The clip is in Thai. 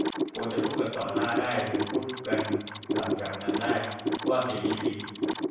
ควรจะพูดกันต่อหน้าได้หรือพูดกันหลังจากนั้นได้ ว่าสิ่งนี้ผิดนะ